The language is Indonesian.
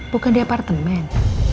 bukan di apartemen